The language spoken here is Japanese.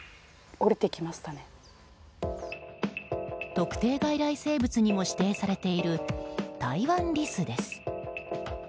特定外来生物にも指定されているタイワンリスです。